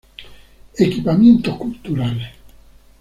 Equipamientos culturales.